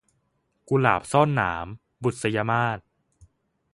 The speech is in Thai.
กุหลาบซ่อนหนาม - บุษยมาส